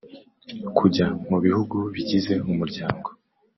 kujya mu bihugu bigize Umuryango